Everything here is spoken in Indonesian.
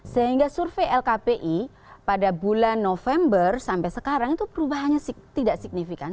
sehingga survei lkpi pada bulan november sampai sekarang itu perubahannya tidak signifikan